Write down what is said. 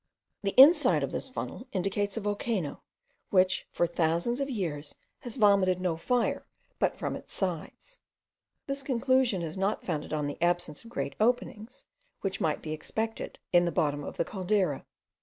The inside of this funnel indicates a volcano, which for thousands of years has vomited no fire but from its sides. This conclusion is not founded on the absence of great openings, which might be expected in the bottom of the Caldera.